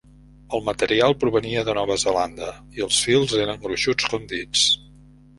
El material provenia de Nova Zelanda; i els fils eren gruixuts com dits.